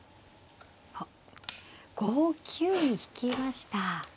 あっ５九に引きました。